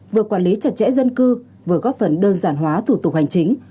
vừa quản lý chặt chẽ dân cư vừa góp phần đơn giản hóa thủ tục hành chính